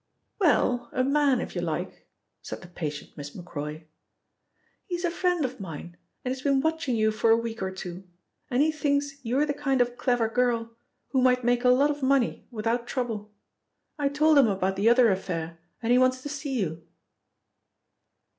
"Well, a man if you like," said the patient Miss Macroy. "He's a friend of mine and he's been watching you for a week or two, and he thinks you're the kind of clever girl who might make a lot of money without trouble. I told him about the other affair and he wants to see you."